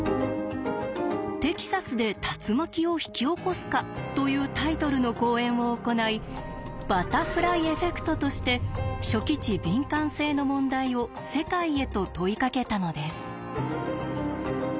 後にというタイトルの講演を行い「バタフライ・エフェクト」として初期値敏感性の問題を世界へと問いかけたのです。